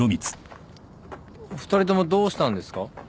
お二人ともどうしたんですか？